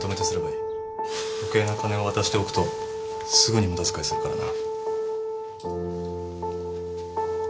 余計な金を渡しておくとすぐに無駄遣いするからな